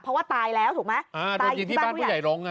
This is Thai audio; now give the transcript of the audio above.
เพราะว่าตายแล้วถูกไหมตายอยู่ที่บ้านผู้ใหญ่ลง